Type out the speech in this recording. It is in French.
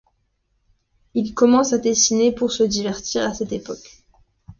Il commence à dessiner pour se divertir à cette époque.